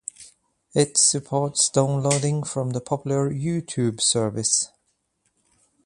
It supports downloading from the popular YouTube service.